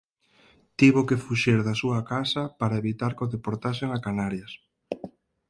Tivo que fuxir da súa casa para evitar que o deportasen a Canarias.